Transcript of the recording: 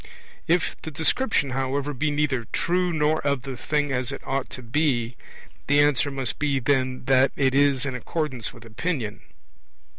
If the description, however, be neither true nor of the thing as it ought to be, the answer must be then, that it is in accordance with opinion.